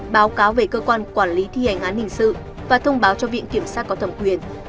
báo cáo về cơ quan quản lý thi hành án hình sự và thông báo cho viện kiểm sát có thẩm quyền